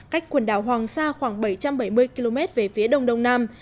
cách quần đảo hoàng sa khoảng bảy trăm bảy mươi km về phía đông đông nam